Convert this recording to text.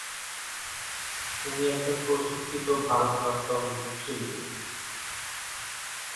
উনি একজন প্রশিক্ষিত ভরতনাট্যম শিল্পী।